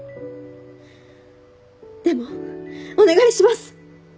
でもお願いします。